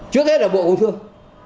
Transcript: trước hết là bộ công thương